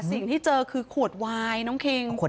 จะรับผิดชอบกับความเสียหายที่เกิดขึ้น